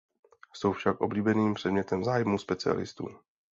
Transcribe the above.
Jsou však oblíbeným předmětem zájmu specialistů.